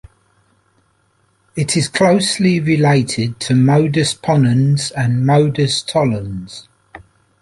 It is closely related to "modus ponens" and "modus tollens".